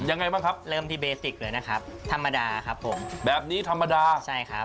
ยังไงบ้างครับเริ่มที่เบสติกเลยนะครับธรรมดาครับผมแบบนี้ธรรมดาใช่ครับ